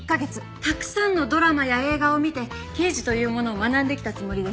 たくさんのドラマや映画を見て刑事というものを学んできたつもりです。